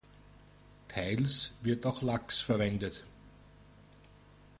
Teils wird auch Lachs verwendet.